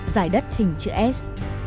giải đất hình chữ s